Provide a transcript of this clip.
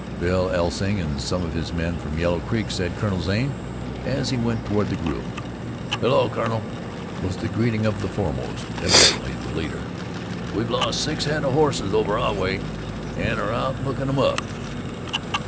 "Bill Elsing, and some of his men from Yellow Creek," said Colonel Zane, as he went toward the group. "Hullo, Kurnel," was the greeting of the foremost, evidently the leader. "We've lost six head of hosses over our way, an' are out lookin' 'em up."